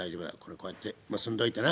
こうやって結んどいてな。